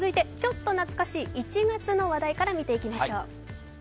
続いてちょっと懐かしい１月の話題から見ていきましょう。